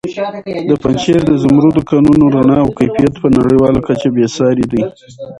د پنجشېر د زمردو کانونو رڼا او کیفیت په نړیواله کچه بې ساري دی.